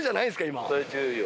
今。